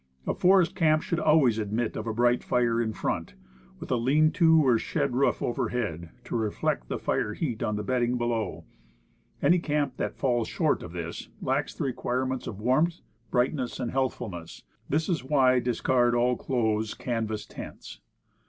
A forest camp should always admit of a bright fire in front, with a lean to or shed roof overhead, to reflect the fire heat on the bedding below. Any camp that falls short of this, lacks the requirements of warmth, brightness and healthfulness. This is why I discard all close, canvas tents.